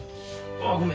あぁごめん。